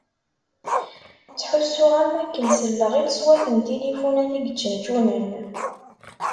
Ttḥussuɣ am wakken selleɣ i leṣwat n tilifunat i yeččenčunen.